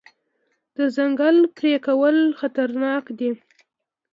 د ځنګل پرې کول خطرناک دي.